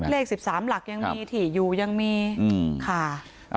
เลข๑๓หลางที่ยูยังมีค่ะ